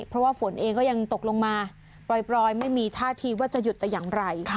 เพราะว่าฝนเองก็ยังตกลงมาปล่อยไม่มีท่าทีว่าจะหยุดแต่อย่างไร